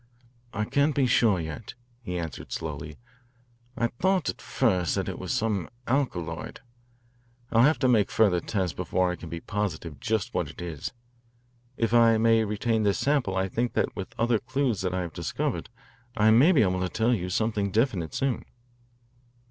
"I can't be sure yet," he answered slowly. "I thought at first that it was some alkaloid. I'll have to make further tests before I can be positive just what it is. If I may retain this sample I think that with other clues that I have discovered I may be able to tell you something definite soon."